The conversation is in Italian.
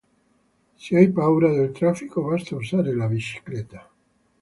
se hai paura del traffico basta usare la bicicletta